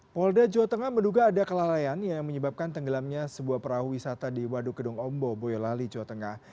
polda jawa tengah menduga ada kelalaian yang menyebabkan tenggelamnya sebuah perahu wisata di waduk kedung ombo boyolali jawa tengah